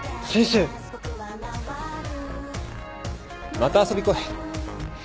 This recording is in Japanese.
また遊び来い。